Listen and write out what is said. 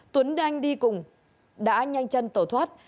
trong đó tuấn anh đi cùng đã nhanh chân tẩu thoát